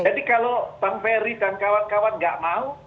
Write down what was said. jadi kalau bang ferry dan kawan kawan tidak mau